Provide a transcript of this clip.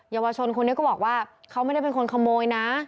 เยาวชนคนนี้ก็บอกว่าเขาไม่ได้เป็นคนขโมยนะ